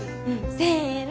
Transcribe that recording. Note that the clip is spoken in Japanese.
せの！